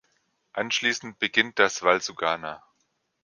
Anschließend beginnt das Valsugana.